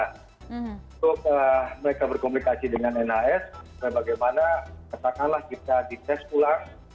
untuk mereka berkomunikasi dengan nas bagaimana katakanlah kita dites pulang